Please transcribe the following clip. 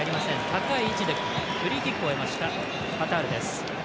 高い位置でフリーキックを得ましたカタールです。